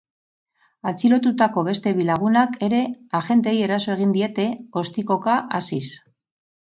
Atxilotutako beste bi lagunak ere agenteei eraso egin diete, ostikoka hasiz.